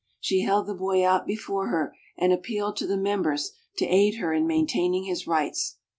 She held the boy out before her and appealed to the members to aid her in maintaining his rights.